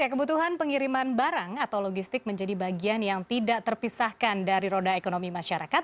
kebutuhan pengiriman barang atau logistik menjadi bagian yang tidak terpisahkan dari roda ekonomi masyarakat